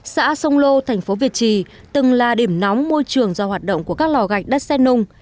xã sông lô tp việt trì từng là điểm nóng môi trường do hoạt động của các lò gạch đất xe nung